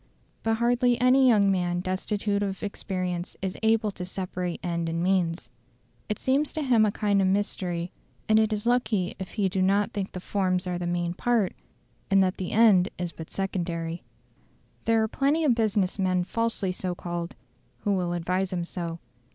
But hardly any young man destitute of experience is able to separate end and means. It seems to him a kind of mystery; and it is lucky if he do not think that the forms are the main part, and that the end is but secondary. There are plenty of business men falsely so called, who will advise him so.